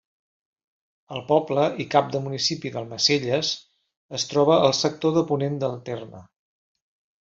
El poble i cap de municipi d'Almacelles es troba al sector de ponent del terme.